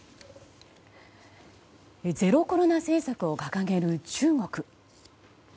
ゼロコロナ政策を掲げる中国。